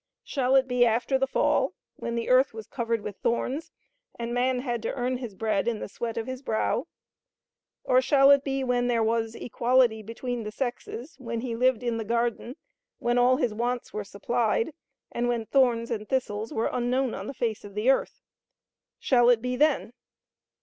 Shall it be after the fall, when the earth was covered with thorns, and man had to earn his bread in the sweat of his brow? Or shall it be when there was equality between the sexes, when he lived in the garden, when all his wants were supplied, and when thorns and thistles were unknown on the face of the earth? Shall it be then?